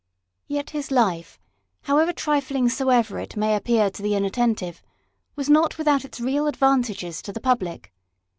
Yet his life, how trifling soever it may appear to the inattentive, was not without its real advantages to the public.